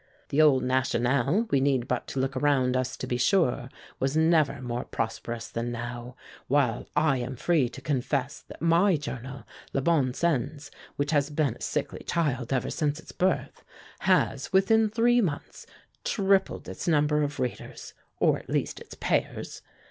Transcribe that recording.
The old 'National,' we need but to look around us to be sure, was never more prosperous than now, while I am free to confess that my journal, 'Le Bon Sens,' which has been a sickly child ever since its birth, has, within three months, tripled its number of readers, or, at least, its payers.